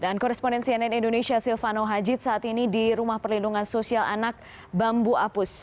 ya dan koresponensi ann indonesia silvano hajid saat ini di rumah perlindungan sosial anak bambu apus